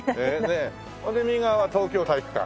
ほんで右側は東京体育館。